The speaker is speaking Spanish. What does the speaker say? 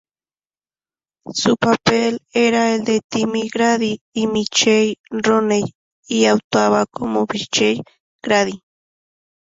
Su papel era el de Timmy Grady, y Mickey Rooney actuaba como Mickey Grady.